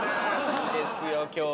いいですよ今日も。